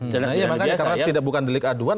karena tidak bukan delik aduan